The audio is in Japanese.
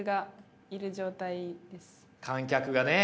観客がね。